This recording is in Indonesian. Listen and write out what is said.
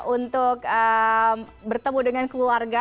untuk bertemu dengan keluarga